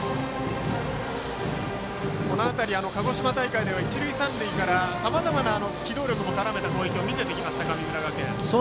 この辺り、鹿児島大会では一塁三塁からさまざまな機動力も絡めた攻撃を見せてきました、神村学園。